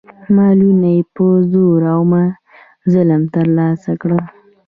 مالونه یې په زور او ظلم ترلاسه کړل.